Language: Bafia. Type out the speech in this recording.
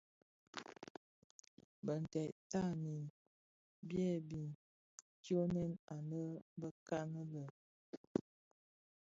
Bintèd tanin byèbi tyonèn anëbekan lè.